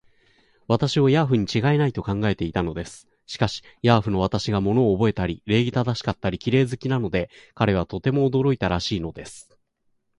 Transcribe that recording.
私をヤーフにちがいない、と考えていたのです。しかし、ヤーフの私が物をおぼえたり、礼儀正しかったり、綺麗好きなので、彼はとても驚いたらしいのです。